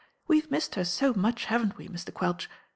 We vc missed her so much, haven't we, Mr. Quelch.